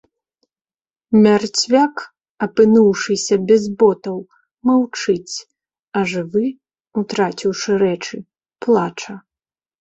Мярцвяк, апынуўшыся без ботаў, маўчыць, а жывы, утраціўшы рэчы, плача.